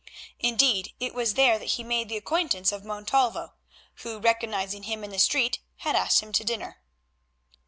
Indeed it was there that he made the acquaintance of Montalvo, who recognising him in the street had asked him to dinner.